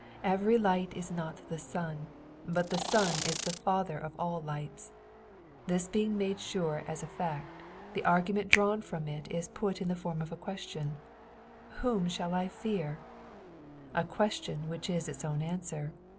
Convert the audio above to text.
Every light is not thesun, but the sun is the father of all lights. This being made sure as a fact, the argument drawn from it is put in the form of a question, " Whom thatl I fear f' A 2uestion which is its own answer.